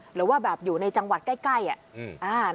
หรือว่าแบบอยู่ในจังหวัดใกล้